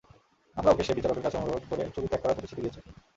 আমরা ওকে সে বিচারকের কাছে অনুরোধ করে চুরি ত্যাগ করার প্রতিশ্রুতি দিয়েছে।